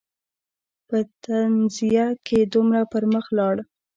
په تنزیه کې دومره پر مخ لاړل.